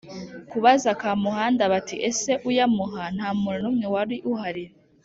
kubaza Kamuhanda bati: “Ese uyamuha nta muntu n’umwe wari uhari